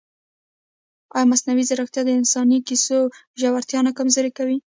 ایا مصنوعي ځیرکتیا د انساني کیسو ژورتیا نه کمزورې کوي؟